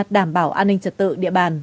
đảm bảo an ninh trật tự địa bàn